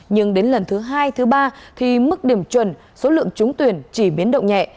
nhưng đến lần thứ hai thứ ba thì mức điểm chuẩn số lượng trúng tuyển chỉ biến động nhẹ